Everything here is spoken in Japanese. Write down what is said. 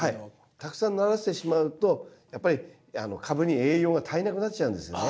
たくさんならせてしまうとやっぱり株に栄養が足りなくなっちゃうんですよね。